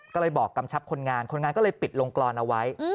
ก็เลยบอกกำชับคนงานคนงานก็เลยปิดลงกรอนเอาไว้